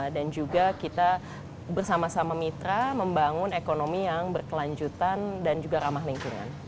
dan juga kita bersama sama mitra membangun ekonomi yang berkelanjutan dan juga ramah lingkungan